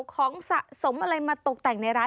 ของสะสมอะไรมาตกแต่งในร้าน